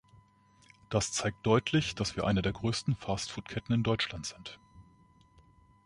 Das zeigt deutlich, dass wir eine der größten Fastfood-Ketten in Deutschland sind.